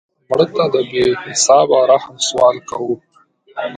مړه ته د بې حسابه رحم سوال کوو